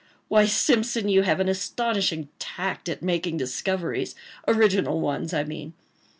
ha!—why, Simpson, you have an astonishing tact at making discoveries—original ones, I mean."